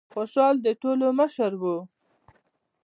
خوشال د ټولو مشر و.